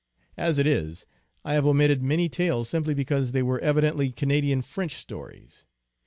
As it is, I have omitted many tales simply because they were evidently Canadian French stories.